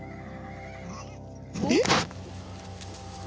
えっ！